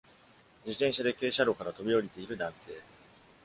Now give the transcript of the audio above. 自転車で傾斜路から飛び降りている男性